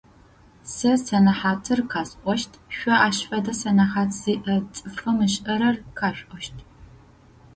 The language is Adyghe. Сэ сэнэхьатыр къэсӏощт, шъо ащ фэдэ сэнэхьат зиӏэ цӏыфым ышӏэрэр къэшъуӏощт.